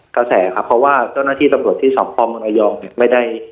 กระแสครับเพราะว่าเจ้าหน้าที่ตำรวจที่สพเมืองระยองเนี่ยไม่ได้